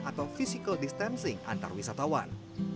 atau physical distancing antarwisatawan